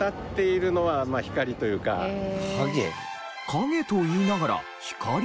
影と言いながら光？